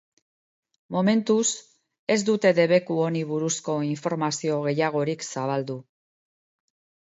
Momentuz, ez dute debeku honi buruzko informazio gehiagorik zabaldu.